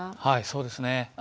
はいそうですね。